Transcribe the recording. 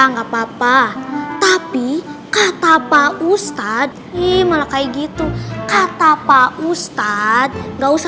gitu terus gak asik